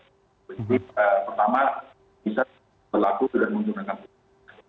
jadi pertama bisa berlaku dan menggunakan bursa